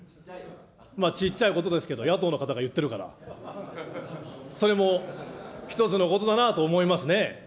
ちっちゃいことですけど、野党の方が言ってるから、それも一つのことだなと思いますね。